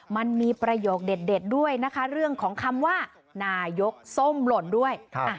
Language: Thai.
มันมีประโยคเด็ดด้วยนะคะเรื่องของคำว่านายกส้มหล่นด้วย